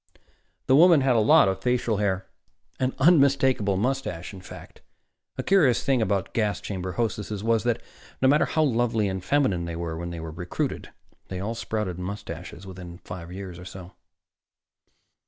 The woman had a lot of facial hair an unmistakable mustache, in fact. A curious thing about gas chamber hostesses was that, no matter how lovely and feminine they were when recruited, they all sprouted mustaches within five years or so.